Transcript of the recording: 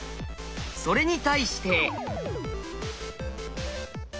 それに対して。